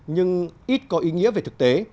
nhưng ít có ý nghĩa về thực tế